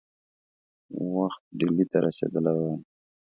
وخت ډهلي ته رسېدلی وای.